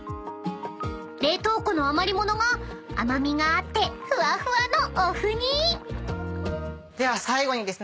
［冷凍庫の余り物が甘味があってふわふわのお麩に］では。